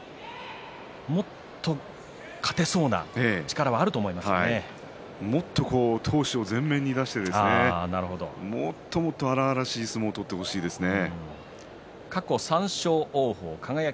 もっと勝てそうな力も闘志をもっと前面に出してもっともっと荒々しい相撲を取ってほしいですね。